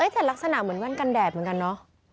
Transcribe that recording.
แต่ลักษณะเหมือนแว่นกันแดดเหมือนกันเนอะ